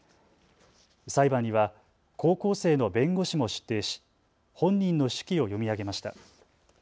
裁判には高校生の弁護士も出廷し本人の手記を読み上げました。